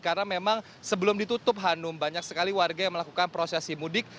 karena memang sebelum ditutup hanum banyak sekali warga yang melakukan prosesi mudik